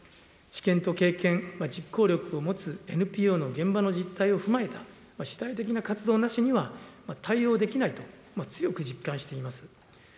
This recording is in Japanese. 知見と経験、実行力を持つＮＰＯの現場の実態を踏まえた主体的な活動なしには対応できないと強く実感しています。